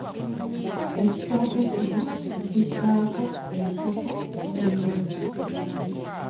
Ekitooke kino kissaako enkota ennene.